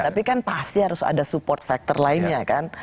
tapi kan pasti harus ada support factor lainnya kan